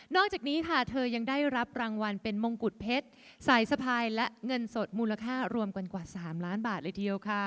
อกจากนี้ค่ะเธอยังได้รับรางวัลเป็นมงกุฎเพชรสายสะพายและเงินสดมูลค่ารวมกันกว่า๓ล้านบาทเลยทีเดียวค่ะ